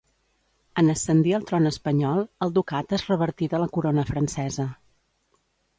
En ascendir al tron espanyol, el ducat és revertit a la Corona francesa.